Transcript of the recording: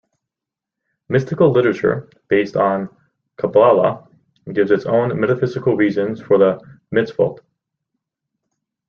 Mystical literature, based on Kabbalah, gives its own metaphysical reasons for the mitzvot.